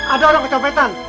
ada orang kecopetan